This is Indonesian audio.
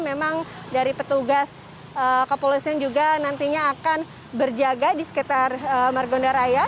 memang dari petugas kepolisian juga nantinya akan berjaga di sekitar margonda raya